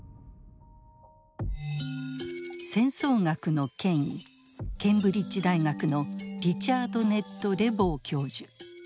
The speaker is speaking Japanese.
戦争学の権威ケンブリッジ大学のリチャード・ネッド・レボー教授。